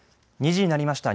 ２時になりました。